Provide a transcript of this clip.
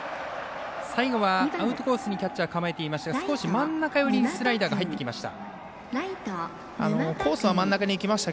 最後はアウトコースにキャッチャーが構えていましたが少し真ん中寄りにスライダーが入っていきました。